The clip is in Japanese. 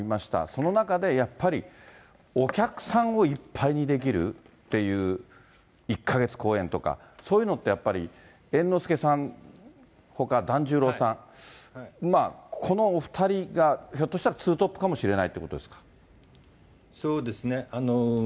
その中で、やっぱりお客さんをいっぱいにできるっていう１か月公演とか、そういうのってやっぱり、猿之助さんほか團十郎さん、このお２人がひょっとしたらツートップかもしれないということでそうですね。